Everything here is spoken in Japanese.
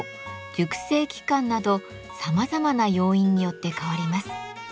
熟成期間などさまざまな要因によって変わります。